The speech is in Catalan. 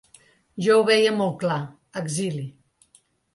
Jo ho veia molt clar, exili.